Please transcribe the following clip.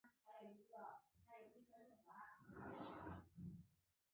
拉卢维埃洛拉盖人口变化图示